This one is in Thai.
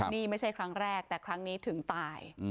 นี่ไม่ใช่ครั้งแรกแต่ครั้งนี้ถึงตาย